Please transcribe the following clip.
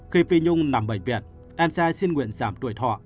khi phi nhung nằm bệnh viện em sai xin nguyện giảm tuổi thọ